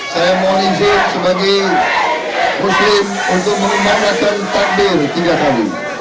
saya mohon izin sebagai muslim untuk mengumanakan takdir tiga kali